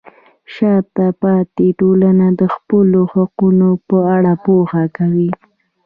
شاته پاتې ټولنه د خپلو حقونو په اړه پوهه کوي.